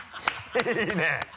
いいね！